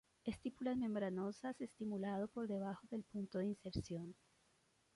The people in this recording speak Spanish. Estípulas membranosas, estimulado por debajo del punto de inserción.